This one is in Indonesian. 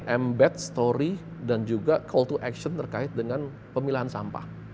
embat story dan juga call to action terkait dengan pemilahan sampah